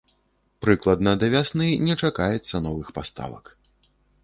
Прыкладна да вясны не чакаецца новых паставак.